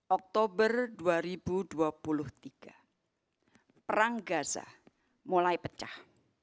oktober dua ribu dua puluh tiga perang gaza mulai pecah